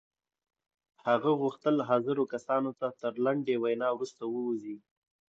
هغه غوښتل حاضرو کسانو ته تر لنډې وينا وروسته ووځي.